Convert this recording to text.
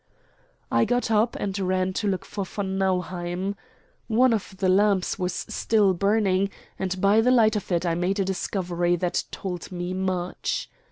I got up, and ran to look for von Nauheim. One of the lamps was still burning, and by the light of it I made a discovery that told me much.